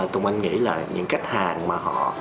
tùng anh nghĩ là những khách hàng mà họ